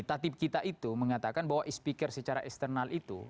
tati kita itu mengatakan bahwa speaker secara eksternal itu